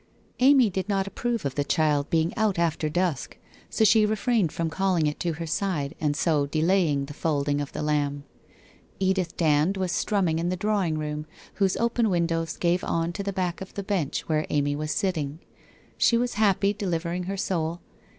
Amy did not approve of the 132 WHITE ROSE OF WEARY LEAF child being out after dusk, so she refrained from calling it to her side and so delaying the folding of the lamb. Edith Dand was strumming in the drawing room, whose open win dows gave on to the back of the bench where Amy was sit ting. She was happy, delivering her soul.